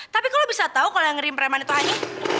tapi kok lo bisa tau kalo yang ngirim preman itu hani